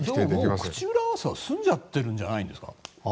口裏合わせは済んじゃってるんじゃないです？